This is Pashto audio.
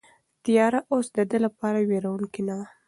تیاره اوس د ده لپاره وېروونکې نه وه.